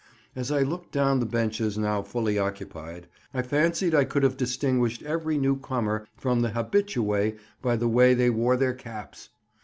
As I looked down the benches now fully occupied, I fancied I could have distinguished every new comer from the habitué by the way they wore their caps.